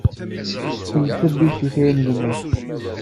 Qfel tabluzt-ik ay anelmad!